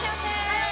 はい！